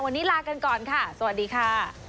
วันนี้ลากันก่อนค่ะสวัสดีค่ะ